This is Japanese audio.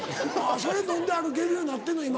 それ飲んで歩けるようになってんの今。